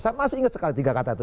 saya masih ingat sekali tiga kata itu